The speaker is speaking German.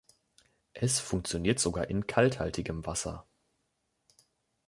Es funktioniert sogar in kalkhaltigem Wasser.